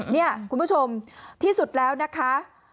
นี่คุณผู้ชมที่สุดแล้วนะคะ